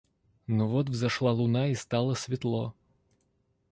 Но вот взошла луна и стало светло.